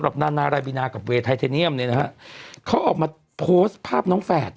กับเวทไทเนียมเนี่ยนะฮะเขาออกมาโพสต์ภาพน้องแฝด